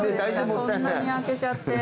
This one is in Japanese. そんなに開けちゃって。